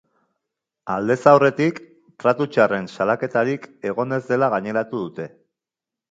Aldez aurretik tratu txarren salaketarik egon ez dela gaineratu dute.